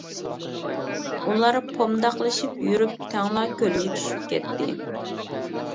ئۇلار پومداقلىشىپ يۈرۈپ تەڭلا كۆلگە چۈشۈپ كەتتى.